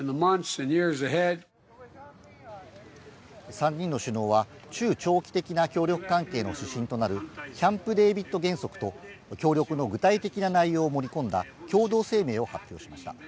３人の首脳は、中長期的な協力関係の指針となるキャンプ・デービッド原則と、協力の具体的な内容を盛り込んだ共同声明を発表しました。